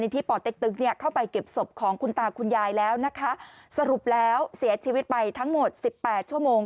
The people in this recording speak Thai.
ตายแล้วนะคะสรุปแล้วเสียชีวิตไปทั้งหมด๑๘ชั่วโมง